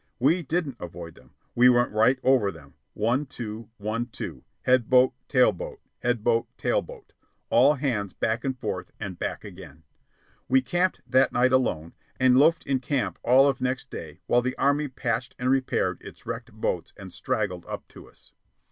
We didn't avoid them. We went right over them, one, two, one, two, head boat, tail boat, head boat, tail boat, all hands back and forth and back again. We camped that night alone, and loafed in camp all of next day while the Army patched and repaired its wrecked boats and straggled up to us.